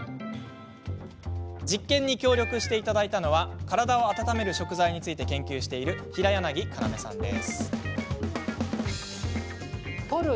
実験に協力していただいたのは体を温める食材について研究している平柳要さんです。